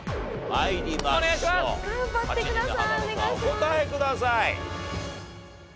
お答えください。